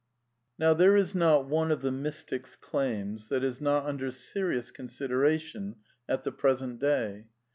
N*ow there is not one of the mystic's claims that is not under serious consideration at the present day.